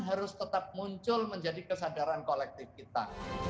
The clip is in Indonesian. harus tetap muncul menjadi kesadaran kolektif kita